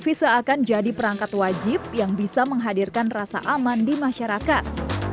v seakan jadi perangkat wajib yang bisa menghadirkan rasa aman di masyarakat